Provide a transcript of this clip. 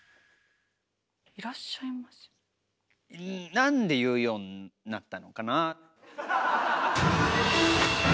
なんで言うようになったのかなぁ。